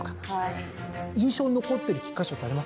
印象に残ってる菊花賞ってありますか？